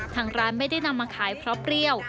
ทางร้านไม่ได้นำมาขายเพราะเปรี้ยว